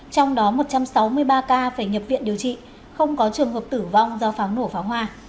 trong đó một trăm sáu mươi ba ca phải nhập viện điều trị không có trường hợp tử vong do pháo nổ pháo hoa